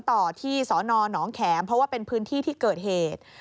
ต่อที่สนหนองแขมเพราะว่าเป็นพื้นที่ที่เกิดเหตุ